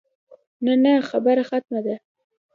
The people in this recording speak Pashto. نه نه خبره ختمه ده.